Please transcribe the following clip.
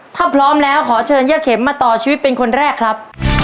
ถ้าพร้อมแล้วขอเชิญย่าเข็มมาต่อชีวิตเป็นคนแรกครับ